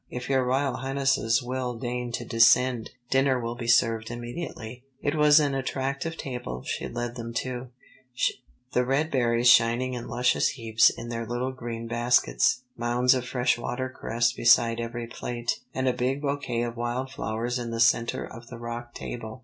"If your royal highnesses will deign to descend, dinner will be served immediately." It was an attractive table she led them to, the red berries shining in luscious heaps in their little green baskets, mounds of fresh watercress beside every plate, and a big bouquet of wildflowers in the centre of the rock table.